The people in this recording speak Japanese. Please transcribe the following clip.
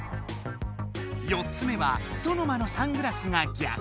４つ目は「ソノマのサングラスが逆」。